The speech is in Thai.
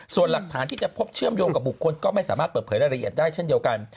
ส่วนหลักฐานที่จะพบเชื่อมโยงกับบุคคลก็ไม่สามารถเปิดเผยรายละเอียดได้เช่นเดียวกัน